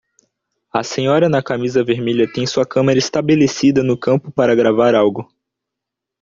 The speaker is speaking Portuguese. A senhora na camisa vermelha tem sua câmera estabelecida no campo para gravar algo.